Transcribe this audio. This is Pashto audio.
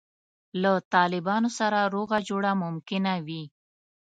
له طالبانو سره روغه جوړه ممکنه وي.